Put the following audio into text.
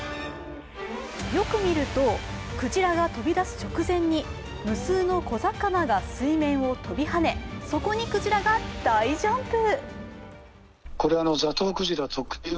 よく見るとクジラが飛び出す直前に無数の小魚が水面を跳びはねそこにクジラが大ジャンプ！